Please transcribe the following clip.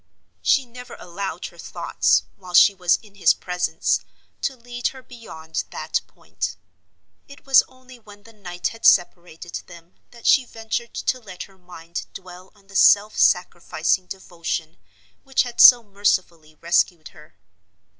She never allowed her thoughts, while she was in his presence, to lead her beyond that point. It was only when the night had separated them that she ventured to let her mind dwell on the self sacrificing devotion which had so mercifully rescued her.